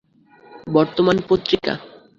বর্তমান পত্রিকা